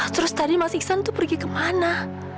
terus tadi mas iksan tuh pergi kemana